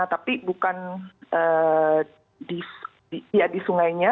tapi bukan di sungainya